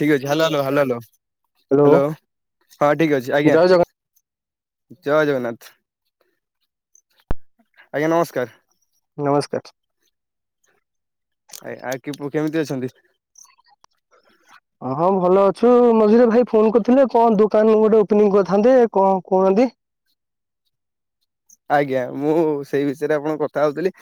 ଠିକ ଅଛି ହାଲ ହ୍ୟାଲୋ ହାଲ ହାଲ ହାଲ ହାଲୋ ହଁ ଠିକ ଅଛି ଆଜ୍ଞା। ଜୟ ଜଗନ୍ନାଥ ଜୟ ଜଗନ୍ନାଥ। ଆଜ୍ଞା ନମସ୍କାର। ନମସ୍କାର। [unintelligible] କେମିତି ଅଛନ୍ତି? [inaudible] ହଁ ହଁ ଭଲ ଅଛୁ ମଝିରେ ଭାଇ ଫୋନ କରିଥିଲେ କଣ ଦୋକାନ ଗୋଟେ ଓପେନିଙ୍ଗ କରିଥାନ୍ତେ କଣ କହୁନାହାନ୍ତି? ଆଜ୍ଞା ମୁଁ ସେଇ ବିଷୟରେ ଆପଣଙ୍କ କଥା ହେଉଥିଲି।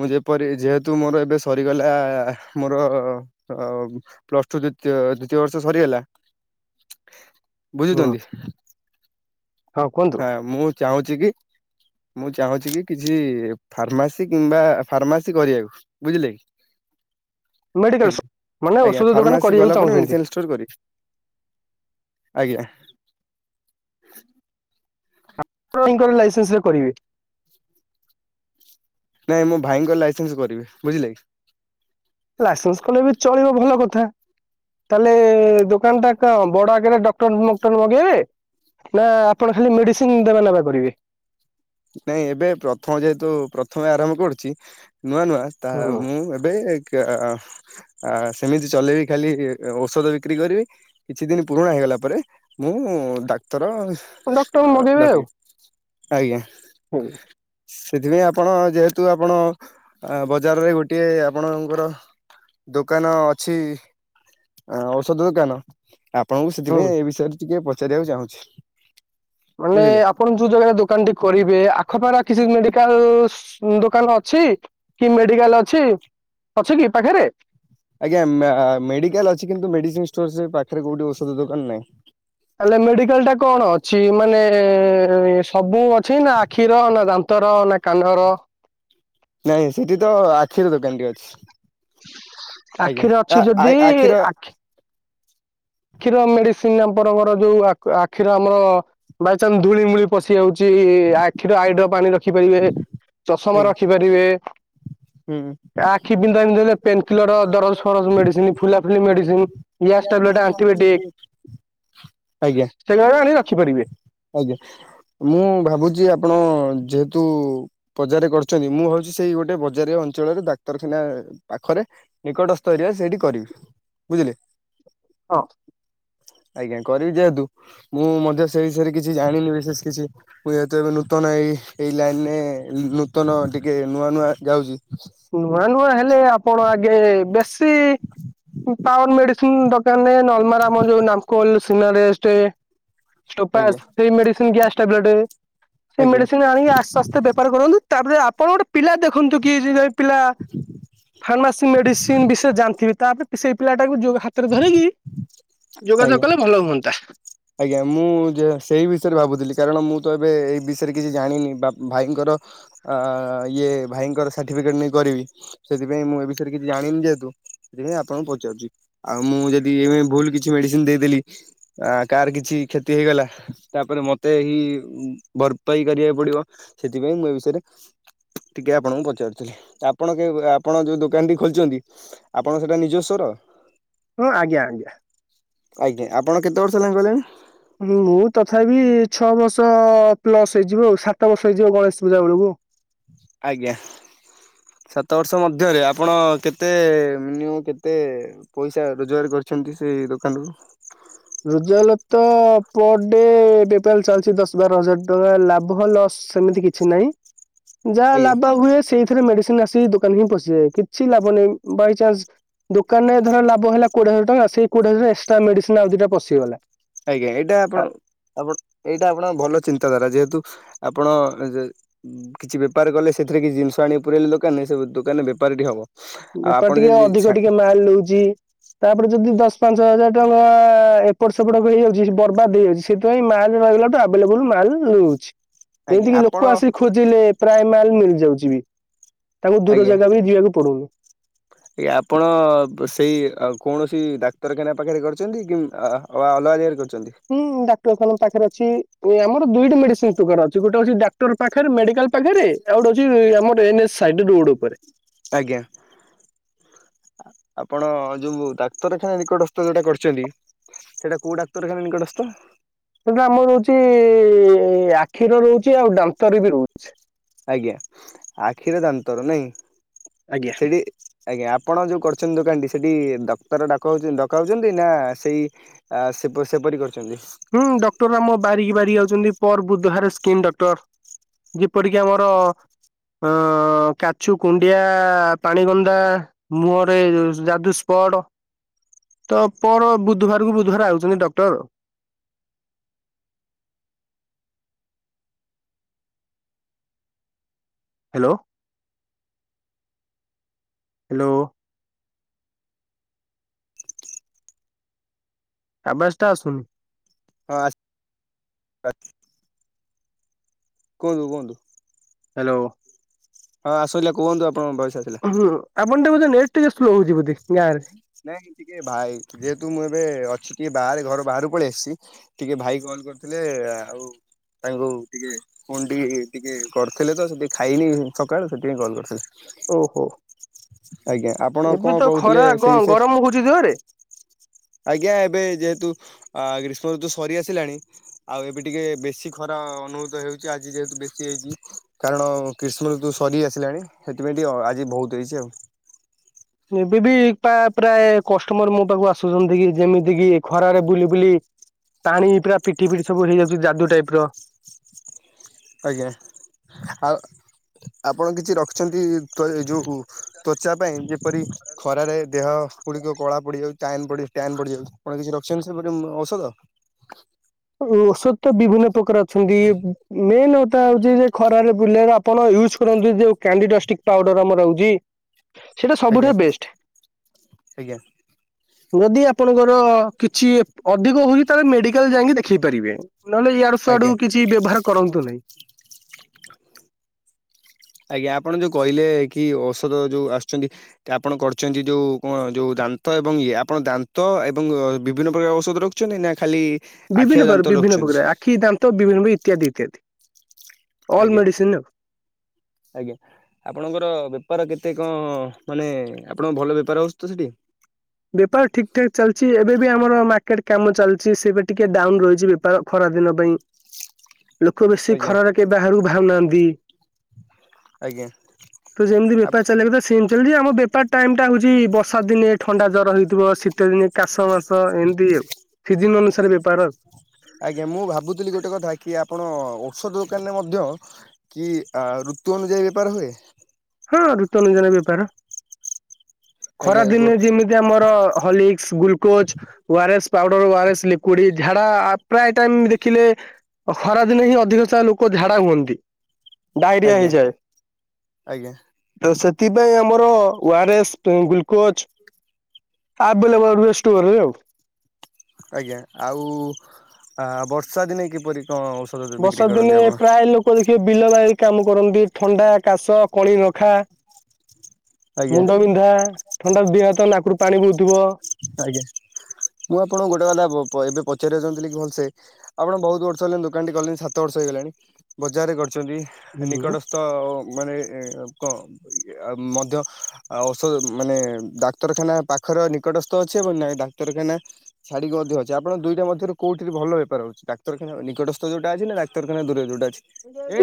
ମୁଁ ଯେପରି ଯେହେତୁ ମୋର ଏବେ ସରିଗଲା ମୋର ପ୍ଲସ ଟୁ ଦ୍ୱିତୀୟ ଦ୍ୱିତୀୟ ବର୍ଷ ସରିଗଲା। ହୁଁ ବୁଝୁଛନ୍ତି ହଁ କୁହନ୍ତୁ ହାଁ ମୁଁ ଚାହୁଁଛି କି ମୁଁ ଚାହୁଁଛି କି କିଛି ଫାର୍ମାସି କିମ୍ବା ଫାର୍ମାସି କରିବାକୁ ବୁଝିଲେକି। ମେଡିକାଲ ଆଜ୍ଞା ସପ୍ ମାନେ ଆଜ୍ଞା ଔଷଧ ଦୋକାନ ଫାର୍ମାସି କରିବାକୁ କଲା ପରେ ଚାହୁଁଛନ୍ତି। ମେଡ଼ିସିନ୍ ଷ୍ଟୋର କରିବେ। ଆଜ୍ଞା। [unintelligible] ଲାଇସେନ୍ସ ରେ କରିବି। ନାଇଁ ମୋ ଭାଇଙ୍କ ଲାଇସେନ୍ସ କରିବି ବୁଝିଲେକି। ଲାଇସେନ୍ସ କଲେ ବି ଚଳିବ ଭଲ କଥା। ତାହାଲେ ଦୋକାନ ଟା କଣ ବଡ ଆକାରେ ଡକ୍ଟର ମକ୍ଟର ମଗେଇବେ। ନା ଆପଣ ଖାଲି ମେଡିସିନ ଦେବା ନେବା କରିବେ। ନାଇଁ ଏବେ ପ୍ରଥମ ଯେହେତୁ ପ୍ରଥମେ ଆରମ୍ଭ କରୁଛି ନୂଆ ନୂଆ ତ ମୁଁ ଏବେ କ୍ୟା-ଆ- ସେମିତି ଚଲେଇବି ଖାଲି ଔଷଧ ବିକ୍ରି କରିବି। କିଛି ଦିନ ପୁରୁଣା ହେଇଗଲା ପରେ ମୁଁ ଡାକ୍ତର ହୁଁ ଡକ୍ଟର ଡକେଇବି ଆଜ୍ଞା। ହୁଁ। ସେଥିପାଇଁ ଆପଣ ଯେହେତୁ ଆପଣ ବଜାରରେ ଗୋଟିଏ ଆପଣଙ୍କର। ଦୋକାନ ଅଛି ଔଷଧ ଦୋକାନ। ଆପଣଙ୍କୁ ହୁଁ। ସେଥିପାଇଁ ଏ ବିଷୟରେ ଟିକେ ପଚାରିବାକୁ ଚାହୁଁଚି। ମାନେ ଆପଣ ଯୋଉ ଜାଗାରେ ଦୋକାନ ଟି କରିବେ ଆଖପାଖରେ ଆଉ କିଛି ମେଡିକାଲସ ଦୋକାନ ଅଛି। କି ମେଡିକାଲ ଅଛି ଅଛି କି ପାଖରେ? ଆଜ୍ଞା ମ୍ୟା-ମେଡିକାଲ ଅଛି କିନ୍ତୁ ମେଡିସିନ ଷ୍ଟୋର ସେ ପାଖରେ କୋଉଠି ଔଷଧ ଦୋକାନ ନାହିଁ। ତାଲେ ମେଡିକାଲ ଟା କଣ ଅଛି ମାନେ ସବୁ ଅଛି ନା ଆଖିର ନା ଦାନ୍ତର ନା କାନର। ନାଇଁ ସେଠି ତ ଆଖିର ଦୋକାନଟି ଅଛି। ଆଜ୍ଞା ଆଖିରେ ଅଛି ଯଦି ଆ-ଆଇ-ଆଖିର। ଆଖି ଆଖିର ମେଡିସିନ ଆମ୍ପରଙ୍କର ଯୋଉ ଆଖ-ଆଖିର ଆମର ବାଇଚନ୍ସ ଧୂଳିମୂଳି ପଶି ଯାଉଛି ଆଖିର ଆଇଡ୍ରପ ଆଣି ରଖିପାରିବେ। ଚଷମା ଆଜ୍ଞା ରଖିପାରିବେ। ହୁଁ। ଆଖି ବିନ୍ଧା ବିନ୍ଧ ଦେଲେ ପେନ କିଲର ଦରଜ ଫରଜ ମେଡିସିନ ଫୁଲା ଫୁଲି ମେଡିସିନ। ଗ୍ୟାସ ଟାବଲେଟ [unintelligible] [inaudible] ଆଜ୍ଞା ସେଗୁରାକ ଆଣିକି ରଖିପାରିବେ। ଆଜ୍ଞା ମୁଁ ଭାବୁଛି ଆପଣ ଯେହେତୁ ବଜାରେ କରିଛନ୍ତି ମୁଁ ଭାବଛି ସେଇ ଗୋଟେ ବଜାରିଆ ଅଞ୍ଚଳରେ ଡାକ୍ତରଖାନା ପାଖରେ। ନିକଟସ୍ଥ ଏରିଆ ସେଇଠି କରିବି ବୁଝିଲେ। ହଁ। ଆଜ୍ଞା କରିବି ଯେହେତୁ ମୁଁ ମଧ୍ୟ ସେଇ ବିଷୟରେ କିଛି ଜାଣିନି ବିଶେଷ କିଛି। ମୁଁ ଯେହେତୁ ଏବେ ନୂତନ ଏଇ ଏଇ ଲାଇନରେ ନୂତନ ଟିକେ ନୂଆ ନୂଆ ଯାଉଛି। ନୂଆ ନୂଆ ହେଲେ ଆପଣ ଆଗେ ବେଶୀ ପାୱାର ମେଡି ଦୋକାନ ରେ ନରମାଲ ଆମର ଯୋଉ ନାମକୋଲ ସିନାରେଷ୍ଟ। ଆଜ୍ଞା ଷ୍ଟୋପାଚ୍ ସେଇ ମେଡିସିନ୍ ଗ୍ୟାସ୍ ଟାବଲେଟ। ସେଇ ଆଜ୍ଞା ମେଡିସିନ୍ ଆଣିକି ଆସ୍ତେ ଆସ୍ତେ ବେପାର କରନ୍ତୁ ତାପରେ ଆପଣ ଗୋଟେ ପିଲା ଦେଖନ୍ତୁ କି ପିଲା ଫାର୍ମାସି ମେଡିସିନ୍ ବିଷୟରେ ଜାଣିଥିବେ ତାପରେ ସେଇ ପିଲାଟାକୁ ଯୋଗ ହାତରେ ଧରିକି ଆଜ୍ଞା। ଯୋଗାଯୋଗ କଲେ ଭଲ ହୁଅନ୍ତା। ଆଜ୍ଞା ମୁଁ ଯେ ସେଇ ବିଷୟରେ ଭାବୁଥିଲି କାରଣ ମୁଁ ତ ଏବେ ଏଇ ବିଷୟରେ କିଛି ଜାଣିନି ବା ଭାଇଙ୍କର ଆ ଇଏ ଭାଇଙ୍କର ସାର୍ଟିଫିକେଟ୍ ନେଇ କରିବି ସେଥିପାଇଁ ମୁଁ ଏ ବିଷୟରେ କିଛି ଜାଣିନି ଯେହେତୁ। ସେଥିପାଇଁ ଆପଣଙ୍କୁ ପଚାରୁଚି ଆଉ ମୁଁ ଯଦି ଏ ଭୁଲ କିଛି ମେଡିସିନ୍ ଦେଇଦେଲି ଆ କାହାର କିଛି କ୍ଷତି ହେଇଗଲା ତାପରେ ମୋତେ ହିଁ ଭରପାଇ କରିବାକୁ ପଡ଼ିବ। ସେଥିପାଇଁ ମୁଁ ଏ ବିଷୟରେ ଟିକେ ଆପଣଙ୍କୁ ପଚାରୁଥିଲି ତ ଆପଣ କେବେ ଆପଣ ଯୋଉ ଦୋକାନଟି ଖୋଲିଚନ୍ତି। ଆପଣ ସେଟା ନିଜସ୍ଵ ର? ହଁ ଆଜ୍ଞା ଆଜ୍ଞା। ଆଜ୍ଞା ଆପଣ କେତେ ବର୍ଷ ହେଲା କଲେଣି? ମୁଁ ତଥାପି ଛଅ ବର୍ଷ ପ୍ଲସ୍ ହେଇଯିବ ଆଉ ସାତ ବର୍ଷ ହେଇଯିବ ଗଣେଶ ପୂଜା ବେଳକୁ। ଆଜ୍ଞା। ସାତ ବର୍ଷ ମଧ୍ୟରେ ଆପଣ କେତେ ମିନିମମ୍ କେତେ? ପଇସା ରୋଜଗାର କରିଛନ୍ତି ସେଇ ଦୋକାନରୁୁ? ରୋଜଲପ୍ତ ପର ଡେ ବେପାର ଚାଲିଛି ଦଶ ବାର ହଜାର ଟଙ୍କା ଲାଭ ଲସ୍ ସେମିତି କିଛି ନାହିଁ ଯାଆ ଆଜ୍ଞା ଲାଭ ହୁଏ ସେଇ ଥିରେ ମେଡିସିନ୍ ଆସି ଦୋକାନରେ ହିଁ ପଶିବେ କିଛି ଲାଭ ନାହିଁ ବାଇଚାନ୍ସ ଦୋକାନରେ ଧର ଲାଭ ହେଲା କୋଡିଏ ହଜାର ଟଙ୍କା ସେଇ କୋଡିଏ ହଜାର ଏକ୍ଟ୍ରା ମେଡିସିନ୍ ଆଉ ଦିଟା ପଶିଗଲା। ଆଜ୍ଞା ଏଇଟା ଆ ଆପଣ ଆପଣ ଏଇଟା ଆପଣଙ୍କ ଭଲ ଚିନ୍ତାଧାରା ଯେହେତୁ ଆପଣ କିଛି ବେପାର କଲେ ସେଥିରେ କିଛି ଜିନିଷ ଆଣି ପୁରେଇଲେ ଦୋକାନରେ ସେ ଦୋକାନରେ ବେପାର ଟିକେ ହେବ। ବେପାର ଟିକେ ଅଧିକ ଟିକେ ମାଲ ନଉଛି। ତାପରେ ଯଦି ଦଶ ପାଞ୍ଚ ହଜାର ଟଙ୍କା ଏପଟ ସେପଟ ହେଇଯାଉଛି ସେ ବର୍ବାଦ ହେଇ ଯାଉଛି। ସେଥିପାଇଁ ମାଲ ରହିଲାଠୁ ଆଭେଲେବୁଲ ମାଲ ମିଳୁଛି ଆଜ୍ଞା ଯେମିତି କିି ଆପଣ ଲୋକ ଆସିକି ଖୋ ଥିଲେ ପ୍ରାୟ ମାଲ ମିଳିଯାଉଛି ବି ତାଙ୍କୁ ଦୂର ଆଜ୍ଞା ଜାଗା ବି ଯିବାକୁ ପଡୁନି। ଆପଣ ସେଇ କୌଣସି ଡାକ୍ତରଖାନା ପାଖରେ କରିଛନ୍ତି କି ଅ ଅଲଗା ଜାଗାରେ କରିଛନ୍ତି? ହୁଁ ଡାକ୍ତରଖାନା ପାଖରେ ଅଛି ଆମର ଦୁଇଟି ମେଡିସିନ ଷ୍ଟୋର ଅଛି ଗୋଟେ ଅଛି ଡାକ୍ତର ପାଖରେ ମେଡିକାଲ ପାଖରେ ଆଉ ଗୋଟେ ଅଛି ଆମର ଏନ ଏସ ସାଇଡ ରୋଡ ଉପରେ। ଆଜ୍ଞା। ଆପଣ ଯୋଉ ଡାକ୍ତରଖାନା ନିକଟସ୍ଥ ଯୋଉଟା କରିଛନ୍ତି। ସେଇଟା କୋଉ ଡାକ୍ତରଖାନା ନିକଟସ୍ଥ? ସେଟା ଆମର ରହୁଛି ଆଖିର ରହୁଛି ଆଉ ଦାନ୍ତରେ ବି ରହୁଛି। ଆଜ୍ଞା ଆଖିରେ ଦାନ୍ତର ନାଇଁ। ଆଜ୍ଞା ସେଠି ଆଜ୍ଞା ଆପଣ ଯୋଉ କରୁଛନ୍ତି ଦୋକାନଟି ସେଠି ଡକ୍ଟର ଡାକ ଡକା ହଉଛନ୍ତି ନା ସେଇ ଆ ସେ ସେପରି କରିଛନ୍ତି। ହୁଁ ଡକ୍ଟର ଆମ ବାରିକି ବାରିକି ଯାଉଛନ୍ତି ପର ବୁଧବାର ସ୍କିନ୍ ଡକ୍ଟର। ଯେପରିକି ଆମର ଅ କାଛୁ କୁଣ୍ଡିଆ, ପାଣିଗନ୍ଧା। ମୁଁହରେ ଯାଦୁ ସ୍ପଡ। ତ ପର ବୁଧବାରକୁ ବୁଧବାର ଆଉଛନ୍ତି ଡକ୍ଟର। Hello hello. ଆବାଜଟା ଆସୁନି। ହଁ ଆ [unintelligible] କୁହନ୍ତୁ କୁହନ୍ତୁ। ହ୍ୟାଲୋ। ହଁ ଆସିଲା କୁହନ୍ତୁ ଆପଣଙ୍କ ଭୟସ୍ ଆସିଲା। ହୁଁ ଆପଣ ଟେ ବୋଧେ ନେଟ୍ ଟିକେ ସ୍ଲୋ ହଉଛି ବୋଧେ ଗାଁରେ। ନାଇଁ ଟିକେ ଭାଇ ଯେହେତୁ ମୁଁ ଏବେ ଅଛି ଟିକେ ବାହାରେ ଘରୁ ବାହାରକୁ ପଳେଇ ଆସିଛି ଟିକେ ଭାଇ କଲ୍ କରିଥିଲେ ଆଉ ତାଙ୍କୁ ଟିକେ ଫୋନ୍ ଟିକେ ଟିକେ କରିଥିଲେ ତ ସେ ଟିକେ ଖାଇନି ସକାଳୁ ସେଥିପାଇଁ କଲ୍ କରିଥିଲେ। ଓହୋ ଆପଣ କଣ ଏବେ ତ କହୁଥିଲେ ଖରା ସେଇ କଣ ବିଷୟରେ? ଗରମ ହଉଛି ଜୋରେ? ଆଜ୍ଞା ଏବେ ଯେହେତୁ ଗ୍ରୀଷ୍ମ ଋତୁ ସରି ଆସିଲାଣି ଆଉ ଏବେ ଟିକେ ବେଶୀ ଖରା ଅନୁଭୂତ ହେଉଛି। ଆଜି ଯେହେତୁ ବେଶୀ ହେଇଛି। କାରଣ ଗ୍ରୀଷ୍ମରୂତୁ ସରି ଆସିଲାଣି। ସେଥିପାଇଁ ଟିକେ ଆଜି ବହୁତ ହେଇଛି ଆଉ। ଏବେବି ପା ପ୍ରାୟ କଷ୍ଟମର ମୋ ପାଖକୁ ଆସୁଛନ୍ତି। କି ଯେମିତି କି ଖରାରେ ବୁଲି ବୁଲି ପାଣି ପୁରା ପିଠି ପିଠି ସବୁ ହେଇଯାଉଛି ଯାଦୁ ଟାଇପର। ଆଜ୍ଞା ଆଉ ଆପଣ କିଛି ରଖିଛନ୍ତି ତ ଏ ଯୋଉ ତ୍ଵଚା ପାଇଁ ଯେପରି ଖରାରେ ଦେହ ଗୁଡିକ କଳା ପଡିଯାଉଛି। ଟ୍ୟାନ୍ ଟ୍ୟାନ୍ ପଡିଯାଉଛି। କଣ କିଛି ରଖିଛନ୍ତି ସେପରି ଔଷଧ? ଔଷଧ ତ ବିଭିନ୍ନ ପ୍ରକାର ଅଛନ୍ତି। ମେନେ କଥା ହଉଛି ଯେ ଖରାରେ ବୁଲେଇବା ଆପଣ ୟୁଜ କରନ୍ତୁ ଯୋଉ କ୍ୟାଣ୍ଡି ଡଷ୍ଟିକ୍ ପାଉଡର ଆମର ଆଉଛି। ସେଟା ଆଜ୍ଞା ସବୁଠାରୁ ବେଷ୍ଟ। ଆଜ୍ଞା ଯଦି ଆପଣଙ୍କର କିଛି ଅଧିକ ହଉଛି ତାହେଲେ ମେଡିକାଲ ଯାଇକି ଦେଖ ଖି ପାରିବେ ନହେଲେ ଇଆଡୁ ଆଜ୍ଞା ସୁଆଡୁ କିଛି ବ୍ୟବହାର କରନ୍ତୁ ନାହିଁ। ଆଜ୍ଞା ଆପଣ ଯୋଉ କହିଲେ କି ଔଷଧ ଯୋଉ ଆସୁଛନ୍ତି ଆପଣ କରଛନ୍ତି ଯୋଉ କଣ ଯୋଉ ଦାନ୍ତ ଏବଂ ଇଏ ଆପଣ ଦାନ୍ତ ଏବଂ ବିଭିନ୍ନ ପ୍ରକାର ଔଷଧ ର ଚୁନି ନା ଖାଲି ଆଖି ଆଉ ବିଭିନ୍ନ ଦାନ୍ତ ପ୍ରକାର ବିଭିନ୍ନ ରଖୁଛନ୍ତି ପ୍ରକାର। ଆଖି, ଦାନ୍ତ ବିଭିନ୍ନ ପ୍ରକାର ଇତ୍ୟାଦି ଇତ୍ୟାଦି। ଅଲ୍ ଆଜ୍ଞା ମେଡିସିନ ଆଉ। ଆଜ୍ଞା। ଆପଣଙ୍କର ବେପାର କେତେ କଣ ମାନେ ଆପଣଙ୍କ ଭଲ ବେପାର ହେଉଛି ତ ସେଠି? ବେପାର ଠିକ୍ ଠାକ୍ ଚାଲିଛି। ଏବେ ବି ଆମର ମାର୍କେଟ୍ କାମ ଚାଲିଛି। ସେବେ ଟିକେ ଡାଉନ୍ ରହିଛି ବେ ପ୍ରାୟ ଖରା ଦିନ ପାଇଁ। ଲୋକ ବେଶୀ ଆଜ୍ଞା ଖରାରେ କେହି ବାହାରକୁ ଭାରୁ ନାହାନ୍ତି। ଆଜ୍ଞା। ତୁ ଯେମତି ବେପାର୍ ଆପ- ଚଳାଇବୁ ତ ସେମତି ଚାଲିଛି। ଆମ ବେପାର ଟାଇମ୍ ଟା ହଉଛି ବର୍ଷା ଦିନିଏ। ଥଣ୍ଡା ଜର ହେଇଥିବ ଶୀତ ଦିନେ କାଶ ମାସ ଏମିତି ଆଉ। ସିଜିନ୍ ଅନୁସାରେ ବେପାର ଆଉ। ଆଜ୍ଞା ମୁଁ ଭାବୁଥିଲି ଗୋଟେ କଥା କି ଆପଣ ଔଷଧ ଦୋକାନରେ ମଧ୍ୟ କି ଋତୁ ଅନୁଯାୟୀ ବେପାର ହୁଏ? ହଁ ଋତୁଅନୁଯାୟୀ ବେପାର ଖରା ଆଜ୍ଞା ଗୋ ଦିନେ ଯେମିତି ଯେମିତି ଆମର ହାଲିକ୍ସ୍, ଗ୍ଲୁକୋଜ୍ ଓଆରେସ୍ ପାଉଡରରସ୍, ଓଆରେସ୍ ଲିକୁଡି ଝାଡା ପ୍ରାୟ୍ ଟାଇମ୍ ଦେଖିଲେ ଖରା ଦିନେ ହିଁ ଅଧିକ ସାରା ଲୋକ ଝାଡା ହୁଅନ୍ତି। ଡାଇରିଆ ଆଜ୍ଞା ହେଇଯାଏ। ଆଜ୍ଞା। ତ ସେଥିପାଇଁ ଆମର ଓଆରେସ୍, ଗ୍ଲୁକୋଜ୍ ଆଭେଲେବୁଲ୍ ରୁହେ ଷ୍ଟୋର୍ ରେ ଆଉ। ଆଜ୍ଞା ଆଉ ବର୍ଷା ଦିନେ କିପରି କଣ ଔ ବର୍ଷା ଦିନେ ପ୍ରାୟ ଲୋକ ଦେଖିବେ ବିଲ ବାଡ଼ି କାମକରନ୍ତି ଥଣ୍ଡା, କାଶ କଳି ରଖା, ଆଜ୍ଞା। ମୁଣ୍ଡ ବିନ୍ଧା ଥଣ୍ଡା ଦିହ ହାତ ନାକରୁ ପାଣି ବହୁଥିବ। ଆଜ୍ଞା ମୁଁ ଆପଣଙ୍କୁ ଗୋଟେ କଥା ଏବେ ପଚାରିବା ଚାହୁଁଥିଲି କି ଭଲସେ ଆପଣ ବହୁତ୍ ବର୍ଷ ହେଲେଣି ଦୋକାନ୍ ଟି କଲେଣି ସାତ ବର୍ଷ ହେଇଗଲାଣି ବଜାରରେ କରିଛନ୍ତି ନିକଟ ତ ମାନେ ତ ଅଉ ମଧ୍ୟ ଆଉ ଔଷଧ ମାନେ ଡାକ୍ତରଖାନା ପାଖରେ ନିକଟ ତ ଅଛେ ବ ନାଁ ଡାକ୍ତରଖାନା ଛାଡିକି ଅଧିକ ଅଛି ଆପଣଙ୍କ ଦୁଇଟା ମଧ୍ୟରୁ କୋଉଠି ଭଲ ବେପାର ହଉଛି ଡାକ୍ତରଖାନା ନିକଟସ୍ଥ ଯଉଟା ଅଛି ନା ଡାକ୍ତରଖାନା ଦୂରରେ ଯୋଉଟା ଅଛି।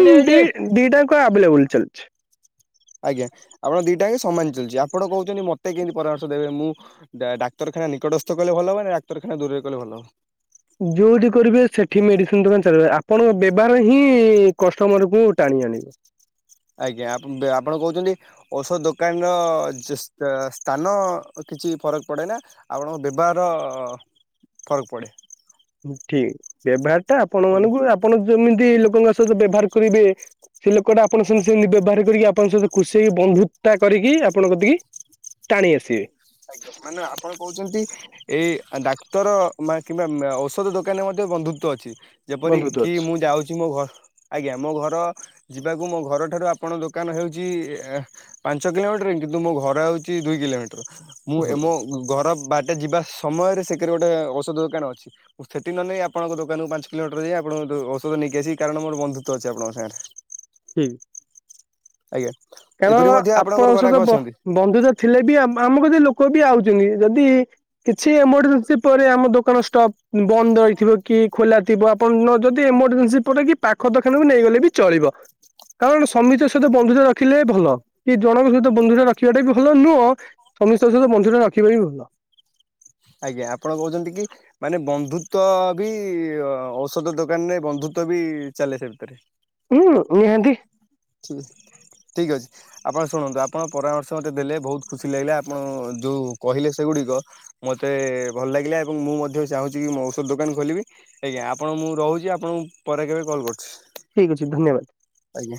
ହୁଁ ଦି ଏଇଠି ଦିଟାକ ଆଭେଲେବୁଲ୍ ଚାଲିଛି। ଆଜ୍ଞା ଆପଣ ଦିଟାହକ ସମାନ ଚାଲିଛି ଆପଣ କହୁଛନ୍ତି ମତେ କେମିତି ପରାମର୍ଶ ଦେବେ ମୁଁ ଡା ଡାକ୍ତରଖାନା ନିକଟସ୍ଥ କଲେ ଭଲ ହବ ନା ଡାକ୍ତର ଖାନା ଦୂରରେ କଲେ ଭଲ ହ ଯୋଉଠି କରିବେ ସେଠି ମେଡିସିନ୍ ଦୋକାନ୍ ଚାଲିବ ଆପଣ ବ୍ୟବହାର ହିଁ କଷ୍ଟମରକୁ ଟାଣି ଆଣିବ। ଆଜ୍ଞା ଆବେ ଆପଣ କହୁଛନ୍ତି ଔଷଧ ଦୋକାନ ର ଜ ସ୍ଥାନ କିଛି ଫରକ ପଡେ ନା? ଆପଣଙ୍କ ବ୍ୟବହାର ଫରକ ପଡ଼େ। ଠିକ୍ ବ୍ୟବହାର ଟା ଆପଣ ଆଜ୍ଞା। ମାନଙ୍କୁ ଆପଣ ଯେମିତି ଲୋକଙ୍କ ସହିତ ବ୍ୟବହାର କରିବେ। ସେ ଲୋକ ଟା ଆପଣଙ୍କ ସେମ୍ ସେମିତି ବ୍ୟବହାର କରିକି ଆପଣଙ୍କ ସହିତ ଖୁସି ହେଇି ବନ୍ଧୁତା କରିକି ଆପଣ କତିକି ଟାଣି ଆସିବେ। ମାନେ ଆପଣ କହୁଛନ୍ତି ଏ ଡାକ୍ତର ବା କିମ୍ବା ଔଷଧ ଦୋକାନି ମଧ୍ୟ ବନ୍ଧୁତ୍ୱ ଅଛି। ଯେପର ବନ୍ଧୁତ୍ୱ କି ଅଛି ମୁଁ ଯାଉଛି ମୋ ଘ ଆଜ୍ଞା ମୋ ଘର ଯିବାକୁ ମୋ ଘର ଠାରୁ ଆପଣଙ୍କ ଦୋକାନ ହେଉଛି ଆ ପାଞ୍ଚ କିଲୋମିଟର କିନ୍ତୁ ମୋ ଘର ହଉଛି ଦୁଇ କିଲୋମିଟର ମୁଁ ହୁଁ ଏ ମୁଁ ଘର ବାଟେ ଯିବା ସମୟରେ ସେକରେ ଗୋଟେ ଔଷଧ ଦୋକାନ ଅଛି। ସେଠି ନ ନେଇ ଆପଣଙ୍କ ଦୋକାନରୁ ପାଞ୍ଚ କିଲୋମିଟର ଯାଇ ଆପଣଙ୍କ ଔଷଧ ନେଇକି ଆସି କାରଣ ମୋ ବନ୍ଧୁତ ଅଛି ଆପଣଙ୍କ ସାଙ୍ଗରେ। ହୁଁ। ଆଜ୍ଞା ଏପରି ମଧ୍ୟ ଆପଣଙ୍କର ଗରାଖ ଅଛନ୍ତି। ବନ୍ଧୁ ତ ଥିଲେ ବି ଆମ ଗ ଲୋକ ବି ଆଉଛନ୍ତି ଯଦି କିଛି ଏମରଜେନ୍ସି ପରେ ଆମ ଦୋକାନ ଷ୍ଟପ ବନ୍ଦ ରହିଥିବ କି ଖୋଲା ଥିବ ଆପଣ ଯଦି ଏମରଜେନ୍ସି ପରେ କି ପାଖ ଦଖାନାକୁ ନେଇଗଲେ ବି ଚଳିବ। କାରଣ ସମୀର ସହିତ ବନ୍ଧୁତା ରଖ। ରଖିଲେ ଭଲ କି ଜଣଙ୍କ ସହିତ ବନ୍ଧୁ ଟା ରଖିବାଟା ବି ଭଲ ନୁହଁ ସମସ୍ତଙ୍କ ସହିତ ବନ୍ଧୁ ଟା ରଖିବା ବି ଭଲ। ଆଜ୍ଞା ଆପଣ କହୁଛନ୍ତି କି? ମାନେ ବନ୍ଧୁତଵ ବି ଔଷଧ ଦୋକାନ ରେ ବନ୍ଧୁତଵ ବି ଚାଲେ ସେ ଭିତରେ ହୁଁ ନିହାତି ଠିକ ଅଛି। ଆପଣ ଶୁଣନ୍ତୁ ଆପଣ ପରାମର୍ଶ ମତେ ଦେଲେ ବହୁତ ଖୁସି ଲାଗିଲା ଆପଣ ଯୋଉ କହିଲେ ସେଗୁଡିକ ମତେ ଭଲ ଲାଗିଲା ଏବଂ ମୁଁ ମଧ୍ୟ ଚାହୁଁଛି କି ଔଷଧ ଦୋକାନ ଖୋଲିବି ଆଜ୍ଞା ଆପଣ ମୁଁ ରହୁଛି ଆପଣଙ୍କୁ ପରେ କେବେ କଲ୍ କରୁଛି। ଠିକ୍ ଅଛି ଧନ୍ୟବାଦ। ଆଜ୍ଞା।